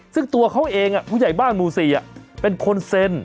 ซึ่งตัวเขาเองผู้ใหญ่บ้านหมู่๔เป็นคนเซ็น